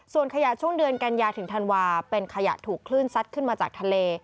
ส่วนขยะช่วงเดือนกันยาถึงธันวาเป็นขยะถูกคลื่นซัดขึ้นมาจากทะเล